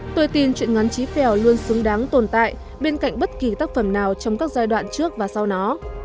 tôi tin chuyện ngắn chí phèo luôn xứng đáng tồn tại bên cạnh bất kỳ tác phẩm nào trong các giai đoạn trước và sau nó